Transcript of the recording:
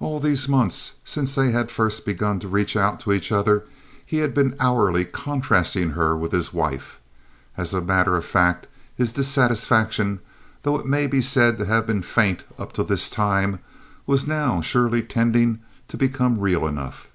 All these months since they had first begun to reach out to each other he had been hourly contrasting her with his wife. As a matter of fact, his dissatisfaction, though it may be said to have been faint up to this time, was now surely tending to become real enough.